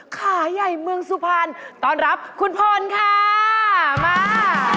ขาใหญ่เมืองสุพรรณต้อนรับคุณพรค่ะมา